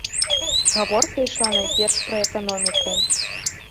Гаворка ішла найперш пра эканоміку.